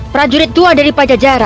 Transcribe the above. perajurit dua dari pajajara